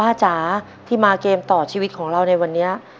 จ๋าที่มาเกมต่อชีวิตของเราในวันนี้